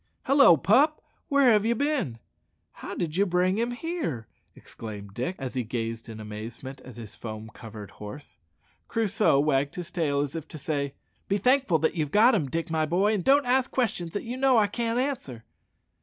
"Hallo, pup! where have ye bin? How did ye bring him here?" exclaimed Dick, as he gazed in amazement at his foam covered horse. Crusoe wagged his tail, as if to say, "Be thankful that you've got him, Dick, my boy, and don't ask questions that you know I can't answer."